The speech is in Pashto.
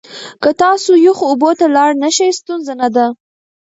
که تاسو یخو اوبو ته لاړ نشئ، ستونزه نه ده.